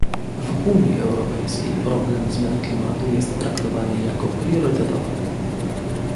W Unii Europejskiej problem zmian klimatu jest traktowany jako priorytetowy